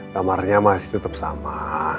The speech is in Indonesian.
kamarnya masih tetep sama